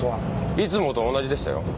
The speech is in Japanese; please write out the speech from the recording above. いつもと同じでしたよ。